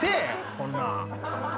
こんなん。